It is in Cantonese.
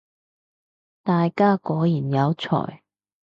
大家果然有才